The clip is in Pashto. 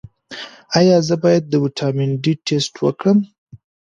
ایا زه باید د ویټامین ډي ټسټ وکړم؟